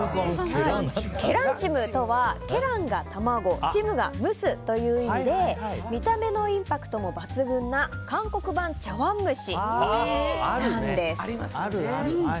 ケランチムとは、ケランが卵チムが蒸すという意味で見た目のインパクトも抜群な韓国版茶わん蒸しなんです。